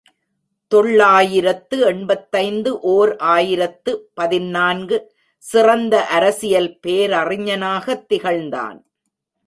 தொள்ளாயிரத்து எண்பத்தைந்து ஓர் ஆயிரத்து பதினான்கு சிறந்த அரசியல் பேரறிஞனாகத் திகழ்ந்தான்.